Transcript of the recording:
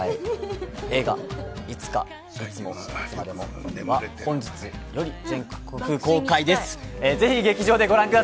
映画「いつか、いつも．．．．．．いつまでも。」は本日より全国公開です。